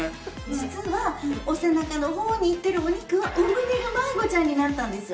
実はお背中の方に行ってるお肉はお胸が迷子ちゃんになったんですよ。